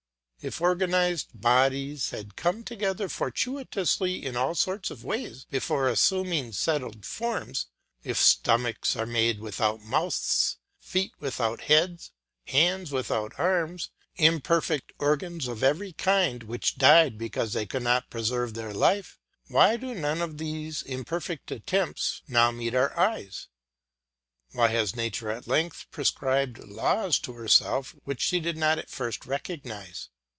If organised bodies had come together fortuitously in all sorts of ways before assuming settled forms, if stomachs are made without mouths, feet without heads, hands without arms, imperfect organs of every kind which died because they could not preserve their life, why do none of these imperfect attempts now meet our eyes; why has nature at length prescribed laws to herself which she did not at first recognise?